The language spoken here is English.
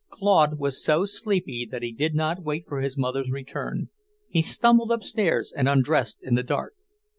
Claude was so sleepy that he did not wait for his mother's return. He stumbled upstairs and undressed in the dark.